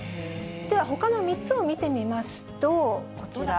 ではほかの３つを見てみますと、こちら。